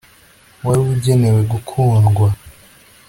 wari ugenewe gukundwa